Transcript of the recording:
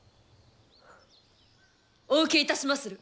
お受けいたしまする。